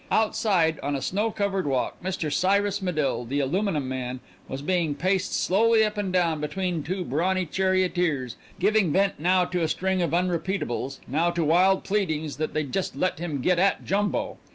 Outside on a snow covered walk Mr. Cyrus Medill, the Aluminum Man, was being paced slowly up and down between two brawny charioteers, giving vent now to a string of unrepeatables, now to wild pleadings that they'd just let him get at Jumbo.